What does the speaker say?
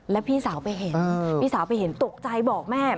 แล้วพี่สาวไปเห็นตกใจบอกแม่